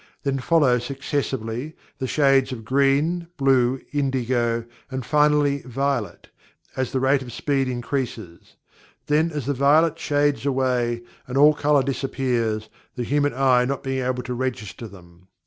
Then follow, successively, the shades of green, blue, indigo, and finally violet, as the rate of sped increases. Then the violet shades away, and all color disappears, the human eye not being able to register them.